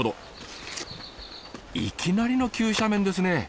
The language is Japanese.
いきなりの急斜面ですね。